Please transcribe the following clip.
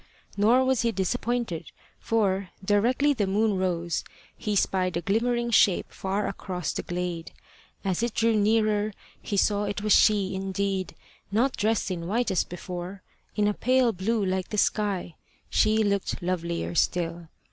Nor was he disappointed, for, directly the moon rose, he spied a glimmering shape far across the glade. As it drew nearer, he saw it was she indeed not dressed in white as before: in a pale blue like the sky, she looked lovelier still.